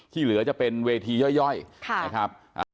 เหลือจะเป็นเวทีย่อยนะครับ